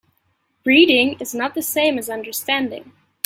Reading is not the same as understanding.